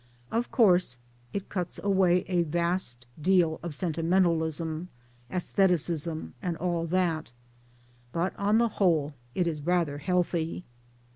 Of course it cuts away a vast deal of sentimentalism, sestheticism, and all that. But on the whole it is rather healthy.